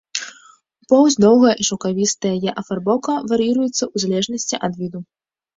Поўсць доўгая і шаўкавістая, яе афарбоўка вар'іруецца ў залежнасці ад віду.